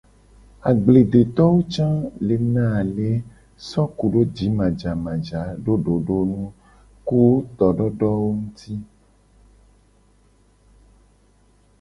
Agbledetowo ca le na ale so kudo jimajaja do dodonu nguti ku tododowo nguti.